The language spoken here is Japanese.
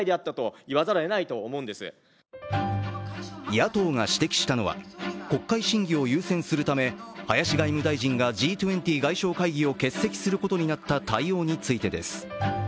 野党が指摘したのは国会審議を優先するため林外務大臣がＧ２０外相会議を欠席することになった対応についてです。